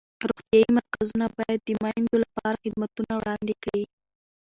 روغتیایي مرکزونه باید د میندو لپاره خدمتونه وړاندې کړي.